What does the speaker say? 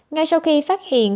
ngay sau khi phát hiện